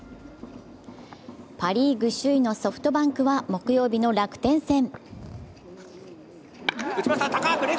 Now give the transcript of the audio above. パ・リーグ首位のソフトバンクは木曜日の楽天戦。